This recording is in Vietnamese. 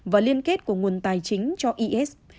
và liên kết của nguồn tài chính cho isis